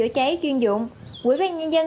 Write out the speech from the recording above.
chuyên dụng quỹ ban nhân dân